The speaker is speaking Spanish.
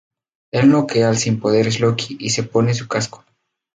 Él noquea al sin poderes Loki y se pone su casco.